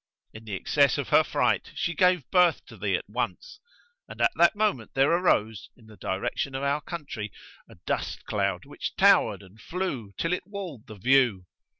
In the excess of her fright she gave birth to thee at once, and at that moment there arose, in the direction of our country, a dust cloud which towered and flew till it walled the view.